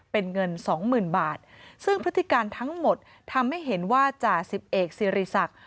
เป็นเงินสองหมื่นบาทซึ่งพฤติการทั้งหมดทำให้เห็นว่าจ่าสิบเอกสิริศักดิ์